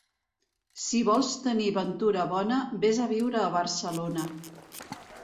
Si vols tenir ventura bona, ves a viure a Barcelona.